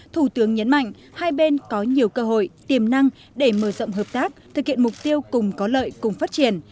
thủ tướng nhấn mạnh hai bên có nhiều cơ hội tiềm năng để mở rộng hợp tác thực hiện mục tiêu cùng có lợi cùng phát triển